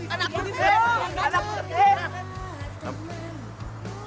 anakku di sini